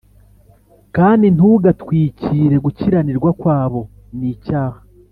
Kandi ntugatwik re gukiranirwa kwabo n icyaha